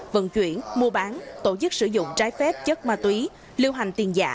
vận chuyển mua bán tổ chức sử dụng trái phép chất ma túy lưu hành tiền giả